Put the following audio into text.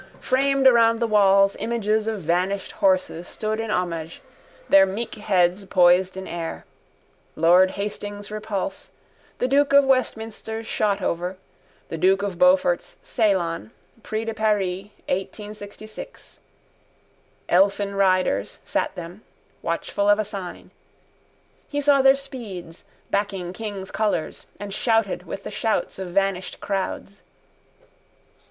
Framed around the walls images of vanished horses stood in homage, their meek heads poised in air: lord Hastings' Repulse, the duke of Westminster's Shotover, the duke of Beaufort's Ceylon, prix de Paris, 1866. Elfin riders sat them, watchful of a sign. He saw their speeds, backing king's colours, and shouted with the shouts of vanished crowds.